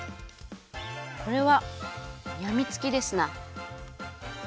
これはやみつきですな。